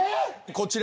こちら。